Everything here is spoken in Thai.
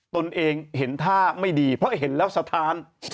ตนเองเห็นท่าไม่ดีเพราะเห็นแล้วสะท้าน